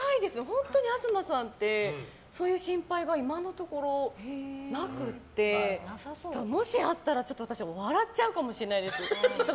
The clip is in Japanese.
本当に東さんってそういう心配は今のところなくってもしあったら私、笑っちゃうかもしれないです